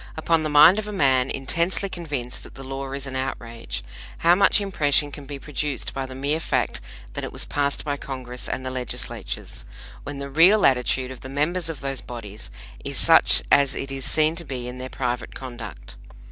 Upon the mind of a man intensely convinced that the law is an outrage, how much impression can be produced by the mere fact that it was passed by Congress and the Legislatures, when the real attitude of the members of those bodies is such as it is seen to be in their private conduct?